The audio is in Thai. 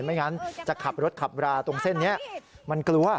ไม่งั้นจะขับรถขับราตรงเส้นนี้มันกลัว